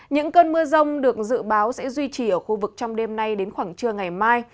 những cơn mưa rông được dự báo sẽ duy trì ở khu vực trong đêm nay đến khoảng trưa ngày mai